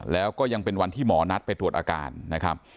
แล้วก็ยังเป็นวันที่หมอนัดไปตรวจอาการนะครับ